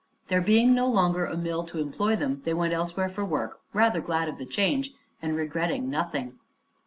There being no longer a mill to employ them they went elsewhere for work, rather glad of the change and regretting nothing.